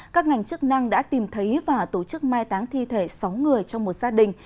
các ngành chức năng đã tìm thấy và tổ chức mai táng thi thể sáu người trong một gia đình